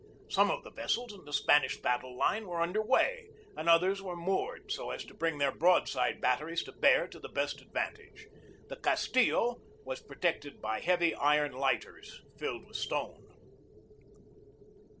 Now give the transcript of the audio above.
Some of the vessels in the Spanish battle line were under way, and others were moored so as to bring their broadside batteries to bear to the best advantage. The Castillo, was protected by heavy iron lighters filled with stone.